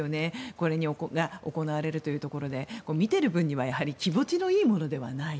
これが行われるというところで見ている分には気持ちのいいものではない。